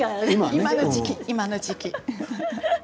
今の時期、今の時期。